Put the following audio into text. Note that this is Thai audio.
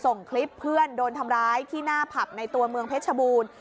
ส่งคลิปเพื่อนโดนทำร้ายที่หน้าผับในตัวเมืองเพชรบูรณ์